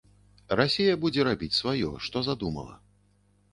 Расія будзе рабіць сваё, што задумала.